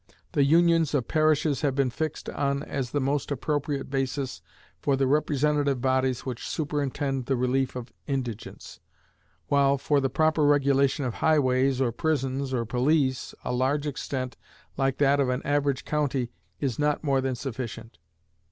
The Unions of parishes have been fixed on as the most appropriate basis for the representative bodies which superintend the relief of indigence; while, for the proper regulation of highways, or prisons, or police, a large extent, like that of an average county, is not more than sufficient.